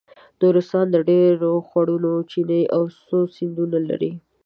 نورستان ډېر خوړونه چینې او څو سیندونه لري.